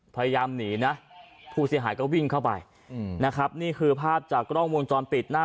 พยายามหนีนะผู้เสียหายก็วิ่งเข้าไปอืมนะครับนี่คือภาพจากกล้องวงจรปิดหน้า